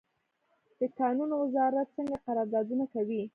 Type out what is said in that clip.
د کانونو وزارت څنګه قراردادونه کوي؟